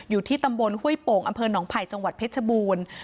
อยู่ที่ตำบลห้วยโป่งอำเภอหนองไผ่จังหวัดเพชรบูรณ์